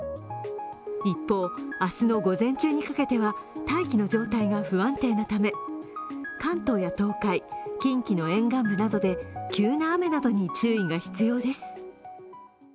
一方、明日の午前中にかけては大気の状態が不安定なため関東や東海、近畿の沿岸部などで急な雨などに注意が必要です。